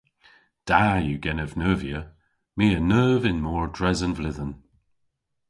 Da yw genev neuvya. My a neuv y'n mor dres an vledhen.